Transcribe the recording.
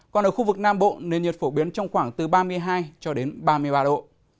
còn ở khu vực nam bộ nền nhiệt phổ biến trong khoảng từ ba mươi hai cho đến ba mươi ba độ